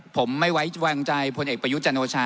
ผมไม่ไว้วางใจปุ่นเอกประยุจัตยโนชา